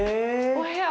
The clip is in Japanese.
お部屋。